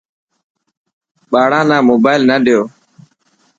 ٻاڙا نا موبائل نه ڏيو.